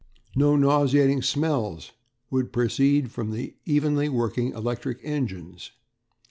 No nauseating smells would proceed from the evenly working electric engines.